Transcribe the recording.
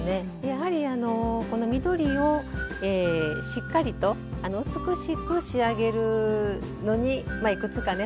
やはりこの緑をしっかりと美しく仕上げるのにいくつかね